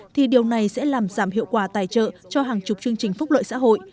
thì điều này sẽ làm giảm hiệu quả tài trợ cho hàng chục chương trình phúc lợi xã hội